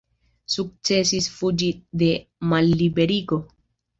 Sukcesis fuĝi de malliberigo.